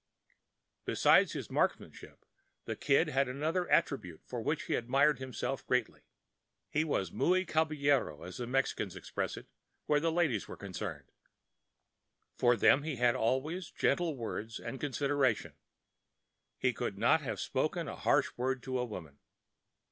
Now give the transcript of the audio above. Besides his marksmanship the Kid had another attribute for which he admired himself greatly. He was muy caballero, as the Mexicans express it, where the ladies were concerned. For them he had always gentle words and consideration. He could not have spoken a harsh word to a woman.